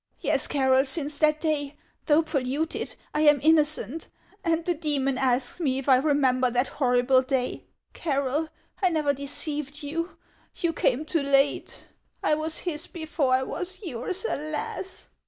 "Yes, Carroll, since that day, though polluted, I am innocent ; and the demon asks me if I remember that horrible day! Carroll, I never deceived you; you came too late. I was his before I was yours, alas